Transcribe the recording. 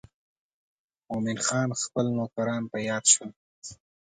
مومن خان خپل نوکران په یاد شول.